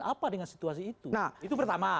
apa dengan situasi itu itu pertama